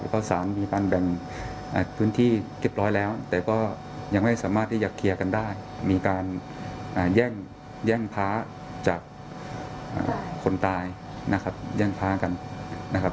ข้อ๓มีการแบ่งพื้นที่เรียบร้อยแล้วแต่ก็ยังไม่สามารถที่จะเคลียร์กันได้มีการแย่งพระจากคนตายนะครับแย่งพระกันนะครับ